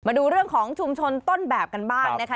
มาดูเรื่องของชุมชนต้นแบบกันบ้างนะคะ